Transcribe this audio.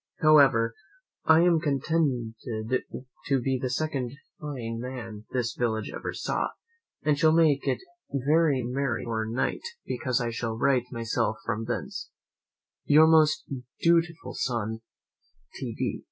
However, I am contented to be the second fine man this village ever saw, and shall make it very merry before night, because I shall write myself from thence, "Your most dutiful son, "T. D.